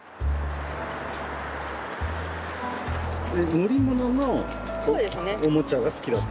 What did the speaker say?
乗り物のおもちゃが好きだった？